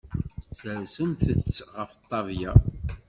Sersemt-tt ɣef ṭṭabla.